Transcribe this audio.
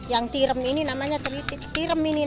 yang tiram ini namanya tiram ini namanya dibersihin